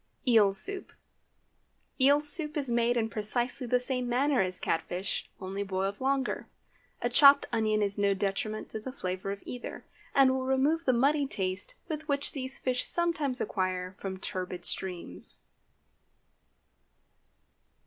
EEL SOUP. Eel soup is made in precisely the same manner as cat fish, only boiled longer. A chopped onion is no detriment to the flavor of either, and will remove the muddy taste which these fish sometimes acquire from turbid streams.